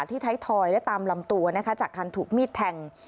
ไทยทอยและตามลำตัวนะคะจากการถูกมีดแทง